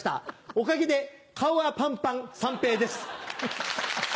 おかげで顔はパンパン三平です。